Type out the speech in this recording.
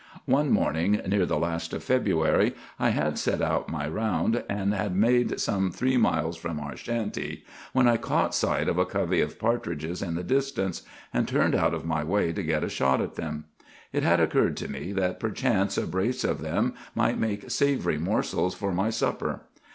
One morning near the last of February I had set out on my round, and had made some three miles from our shanty, when I caught sight of a covey of partridges in the distance, and turned out of my way to get a shot at them. It had occurred to me that perchance a brace of them might make savory morsels for my supper.